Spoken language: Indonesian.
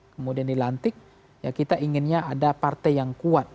kemudian dilantik ya kita inginnya ada partai yang kuat